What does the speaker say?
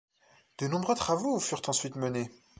De nombreux travaux furent ensuite menés.